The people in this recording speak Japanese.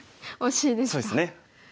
そうですね。